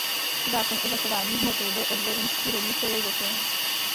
Zákon o zachování hmoty byl odvozen z přírodní filosofie.